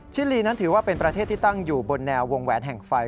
ชิลีนั้นถือว่าเป็นประเทศที่ตั้งอยู่บนแนววงแหวนแห่งไฟ